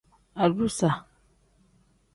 Adusa.